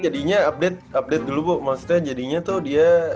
jadinya update update dulu bu maksudnya jadinya tuh dia